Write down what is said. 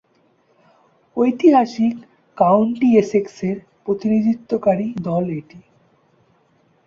ঐতিহাসিক কাউন্টি এসেক্সের প্রতিনিধিত্বকারী দল এটি।